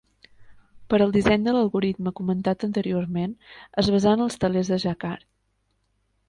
Per al disseny de l'algoritme comentat anteriorment, es basà en els telers de Jacquard.